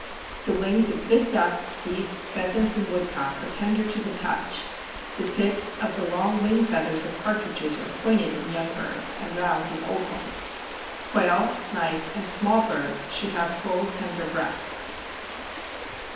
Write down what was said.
The wings of good ducks, geese, pheasants, and woodcock are tender to the touch; the tips of the long wing feathers of partridges are pointed in young birds, and round in old ones. Quail, snipe, and small birds should have full, tender breasts.